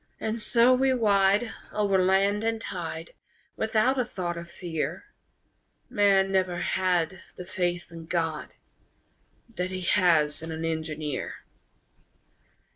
And so we ride Over land and tide, Without a thought of fear _Man never had The faith in God That he has in an engineer!